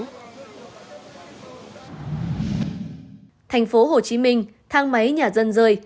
thành phố hồ chí minh thang máy nhà dân rơi